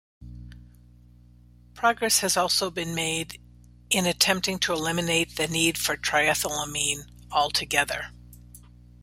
Progress has also been made in attempting to eliminate the need for triethylamine altogether.